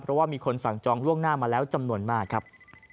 เพราะว่ามีคนสั่งจองล่วงหน้ามาแล้วจำนวนมากครับ